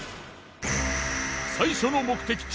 最初の目的地